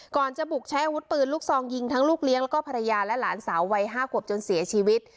ก่อนจะบุกใช้อาวุธปืนลูกซองยิงทั้งลูกเลี้ยงแล้วก็ภรรยาและหลานสาววัย๕ขวบจนเสียชีวิต